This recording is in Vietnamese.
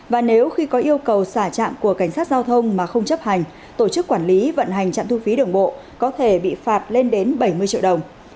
và nếu khi có yêu cầu xả trạm của cảnh sát giao thông mà không chấp hành tổ chức quản lý vận hành trạm thu phí đường bộ có thể bị phạt lên đến bảy mươi triệu đồng